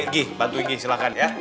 gih bantuin gih silahkan ya